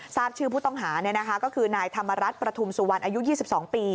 ทราบชื่อผู้ต้องหาก็คือนายธรรมรัฐประทุมสุวรรณอายุ๒๒ปี